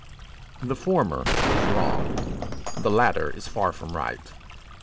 The former is wrong; the latter is far from right.